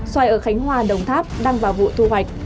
xoài ở khánh hòa đồng tháp đang vào vụ thu hoạch